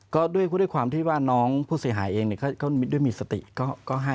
ก็ด้วยความที่ว่าน้องผู้เสียหายเองด้วยมีสติก็ให้